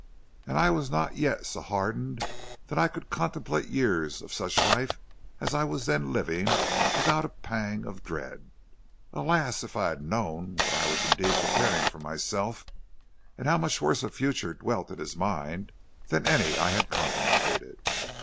And I was not yet so hardened that I could contemplate years of such life as I was then living without a pang of dread. Alas! if I had known what I was indeed preparing for myself, and how much worse a future dwelt in his mind than any I had contemplated!